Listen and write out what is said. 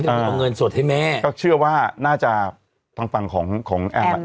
จะเอาเงินสดให้แม่ก็เชื่อว่าน่าจะทางฝั่งของของแอมอ่ะ